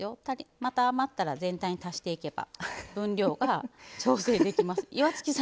また余ったら全体に足していけば分量が調整できます。